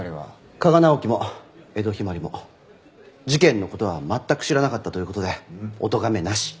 加賀直樹も江戸陽葵も事件の事は全く知らなかったという事でおとがめなし。